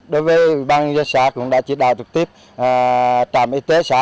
đối với bang dân xã cũng đã chỉ đạo trực tiếp trạm y tế xã